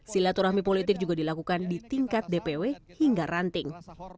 silaturahmi politik juga dilakukan di tingkat dpw hingga ranting